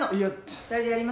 ２人でやりますよ。